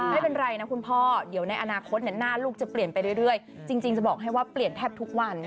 ไม่เป็นไรนะคุณพ่อเดี๋ยวในอนาคตหน้าลูกจะเปลี่ยนไปเรื่อยจริงจะบอกให้ว่าเปลี่ยนแทบทุกวัน